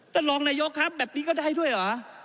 ท่านรองนายกครับแบบนี้ก็ได้ด้วยเหรอ